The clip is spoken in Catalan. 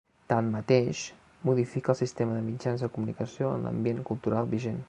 Tanmateix, modifica el sistema de mitjans de comunicació en l’ambient cultural vigent.